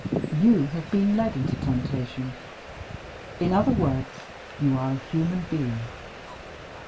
You have been led into temptation. In other words, you are a human being.